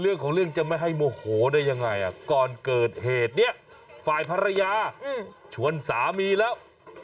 เรื่องของเรื่องจะไม่ให้โมโหได้ยังไงก่อนเกิดเหตุเนี่ยฝ่ายภรรยาชวนสามีแล้ว